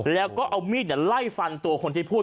แล้วก็เอามีดไล่ฟันตัวคนที่พูด